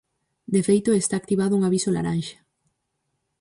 De feito, está activado un aviso laranxa.